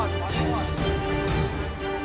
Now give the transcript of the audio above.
ก็จะได้เพลินหลังประมาทนายขออนุญาตทั้งหมด